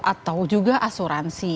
atau juga asuransi